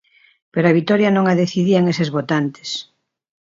Pero a vitoria non a decidían eses votantes.